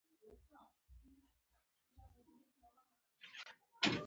آیا د پسه د کلي غوښه میلمه ته نه ایښودل کیږي؟